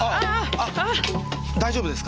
大丈夫ですか？